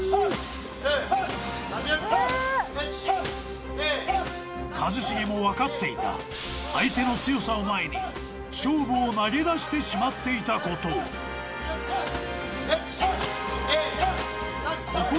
・８９１０１２一茂も分かっていた相手の強さを前に勝負を投げ出してしまっていたことを・１２３